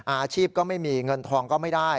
อาชีพก็ไม่มีเงินทองก็ไม่ได้